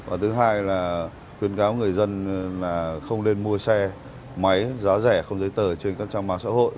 và thứ hai là khuyến cáo người dân là không nên mua xe máy giá rẻ không giấy tờ trên các trang mạng xã hội